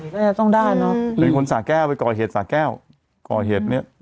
ก็จะต้องได้เนอะเป็นคนสาแก้วไปก่อเหตุสาแก้วก่อเหตุเนี้ย